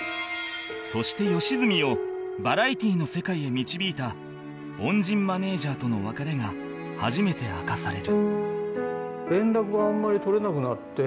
そして良純をバラエティの世界へ導いた恩人マネージャーとの別れが初めて明かされる